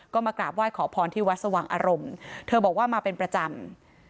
ก็มากราบไหว้ขอพรที่วัดสว่างอารมณ์เธอบอกว่ามาเป็นประจำ